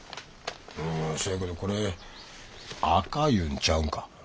うんせやけどこれ赤いうんちゃうんか？